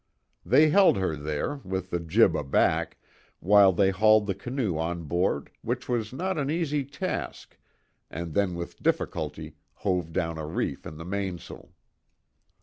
They held her there, with the jib aback, while they hauled the canoe on board, which was not an easy task, and then with difficulty hove down a reef in the mainsail.